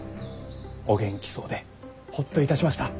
お元気そうでほっといたしました。